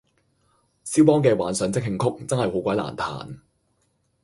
蕭邦嘅幻想即興曲真係好鬼難彈